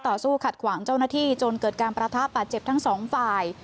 สู้ขัดขวางเจ้าหน้าที่จนเกิดการประทะบาดเจ็บทั้งสองฝ่าย